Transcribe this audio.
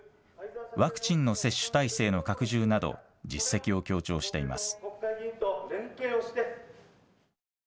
ワクチンの接種体制の拡充など、実績を強調しています。